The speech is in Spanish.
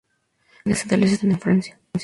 Sus oficinas centrales están en Francia.